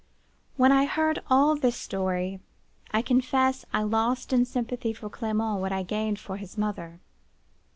"When I had heard all this story, I confess I lost in sympathy for Clement what I gained for his mother.